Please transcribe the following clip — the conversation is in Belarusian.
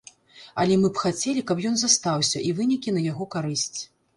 Але мы б хацелі, каб ён застаўся, і вынікі на яго карысць.